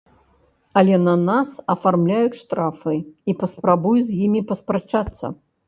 Але на нас афармляюць штрафы, і паспрабуй з імі паспрачацца!